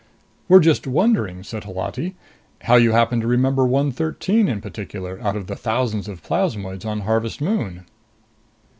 "We're just wondering," said Holati, "how you happen to remember 113, in particular, out of the thousands of plasmoids on Harvest Moon."